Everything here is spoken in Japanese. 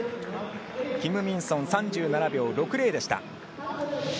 キム・ミンソン３７秒６０でした。